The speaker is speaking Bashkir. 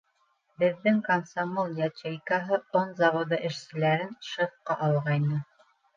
Беҙҙең комсомол ячейкаһы он заводы эшселәрен шефҡа алғайны.